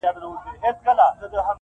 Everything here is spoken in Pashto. موږ ګناه کار یو چي مو ستا منله,